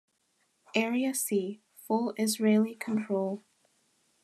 Area C - Full Israeli control.